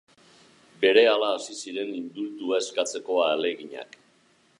Berehala hasi ziren indultua eskatzeko ahaleginak.